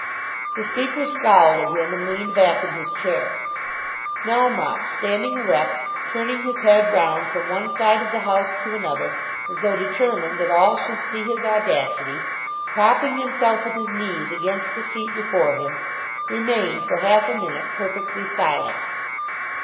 The Speaker scowled at him and leaned back in his chair. Melmotte standing erect, turning his head round from one side of the House to another, as though determined that all should see his audacity, propping himself with his knees against the seat before him, remained for half a minute perfectly silent.